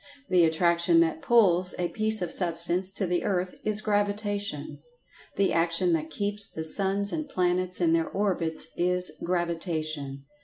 The attraction that "pulls" a piece of Substance to the earth is Gravitation. The attraction that keeps the suns and planets in their orbits is Gravitation.